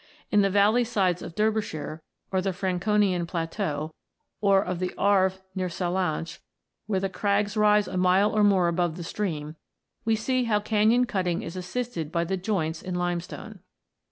In the valley sides of Derbyshire, or of the Franconian plateau, or of the Arve near Sallanches, where the crags rise a mile or more above the stream, we see how canon cutting is assisted by the joints in limestone.